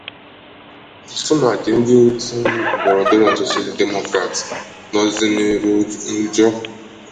tụmadị ndị otu ndọrọndọrọ ọchịchị Demokrat nọzị n’iru uju